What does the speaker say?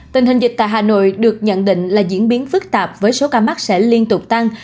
tình hình dịch tại hà nội được nhận định là diễn biến phức tạp với số ca mắc sẽ liên tục tăng